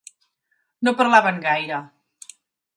No parlaven gaire.